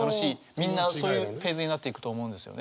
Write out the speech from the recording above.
みんなそういうフェーズになっていくと思うんですよね。